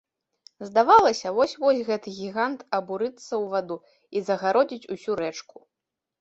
Здавалася, вось-вось гэты гігант абурыцца ў ваду і загародзіць усю рэчку.